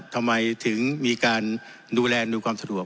ทำไมถึงมีการดูแลอำนวยความสะดวก